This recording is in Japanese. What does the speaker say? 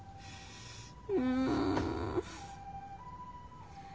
うん。